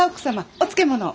お漬物を。